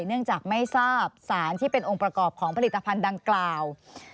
เนื่องจากไม่ทราบสารที่เป็นองค์ประกอบของผลิตภัณฑ์ดังกล่าว